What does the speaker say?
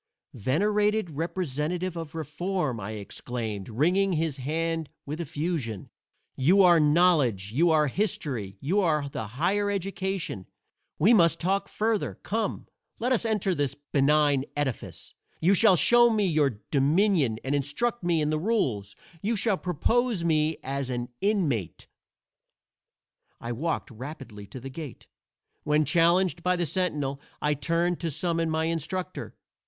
"Venerated representative of Reform," I exclaimed, wringing his hand with effusion, "you are Knowledge, you are History, you are the Higher Education! We must talk further. Come, let us enter this benign edifice; you shall show me your dominion and instruct me in the rules. You shall propose me as an inmate." I walked rapidly to the gate. When challenged by the sentinel, I turned to summon my instructor.